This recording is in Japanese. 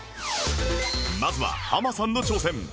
まずはハマさんの挑戦